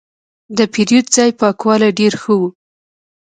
د پیرود ځای پاکوالی ډېر ښه و.